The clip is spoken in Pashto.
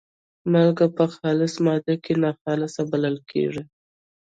مالګه په خالصه ماده کې ناخالصه بلل کیږي.